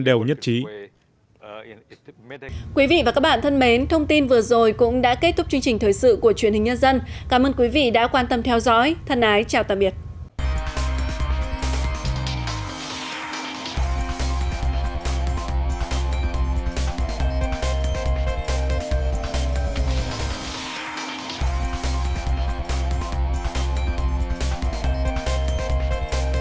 hẹn gặp lại các bạn trong những video tiếp theo